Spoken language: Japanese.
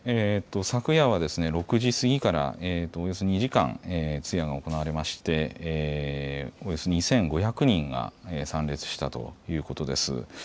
昨夜は６時過ぎからおよそ２時間、通夜が行われましておよそ２５００人が参列したということです。